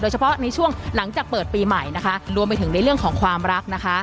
เฉพาะในช่วงหลังจากเปิดปีใหม่นะคะรวมไปถึงในเรื่องของความรักนะคะ